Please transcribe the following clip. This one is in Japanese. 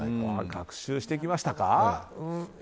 学習してきましたか。